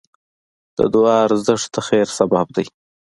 د دعا ارزښت د خیر سبب دی.